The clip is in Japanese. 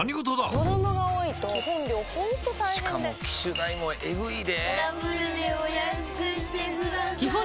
子供が多いと基本料ほんと大変でしかも機種代もエグいでぇダブルでお安くしてください